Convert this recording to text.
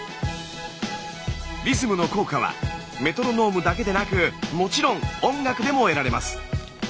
リズムの効果はメトロノームだけでなくもちろん音楽でも得られます。